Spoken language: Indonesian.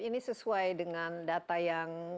ini sesuai dengan data yang